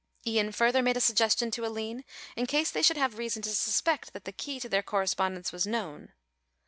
Ian further made a suggestion to Aline in case they should have reason to suspect that the key to their correspondence was known.